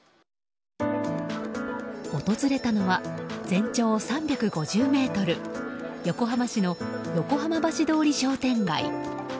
訪れたのは、全長３５０ｍ横浜市の横浜橋通商店街。